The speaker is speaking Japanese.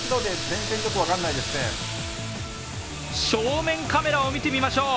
正面カメラを見てみましょう。